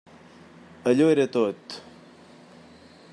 Allò era tot.